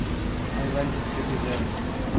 Hay varias especies de aves.